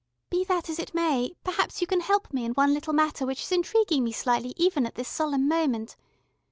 "Be that as it may, perhaps you can help me in one little matter which is intriguing me slightly even at this solemn moment.